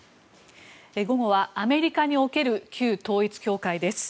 午後は、アメリカにおける旧統一教会です。